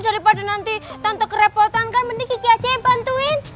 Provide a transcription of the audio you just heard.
daripada nanti tante kerepotan kan mending kiki aja yang bantuin